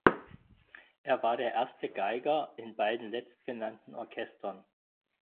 Er war der erste Geiger in beiden letztgenannten Orchestern.